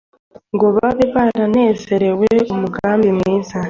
ngo babe baranezerewe umugambi mwiza